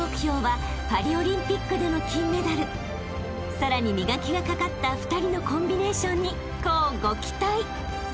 ［さらに磨きがかかった２人のコンビネーションに乞うご期待！］